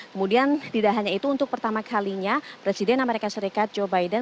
kemudian tidak hanya itu untuk pertama kalinya presiden amerika serikat joe biden